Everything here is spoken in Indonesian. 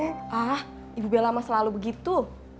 hah ibu bella emang selalu begitu